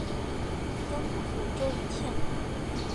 曾祖父周余庆。